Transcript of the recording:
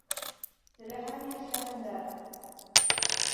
Теләһә ни эшләһендәр.